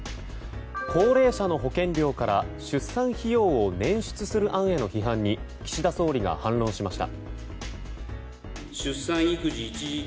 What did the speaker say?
高齢者の保険料から出産費用を捻出する案への批判に岸田総理が反論しました。